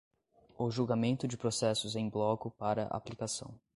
o julgamento de processos em bloco para aplicação